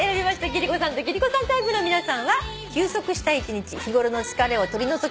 貴理子さんと貴理子さんタイプの皆さんは。